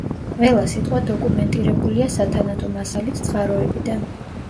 ყველა სიტყვა დოკუმენტირებულია სათანადო მასალით წყაროებიდან.